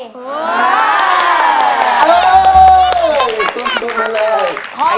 สู้มาเลย